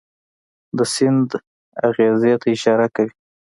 د سید اغېزې ته اشاره کوي.